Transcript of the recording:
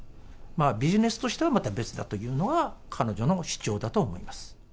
ビジネスとしてはまた別だというのが、彼女の主張だと思います。